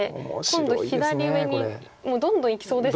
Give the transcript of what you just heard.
今度左上にどんどんいきそうですね。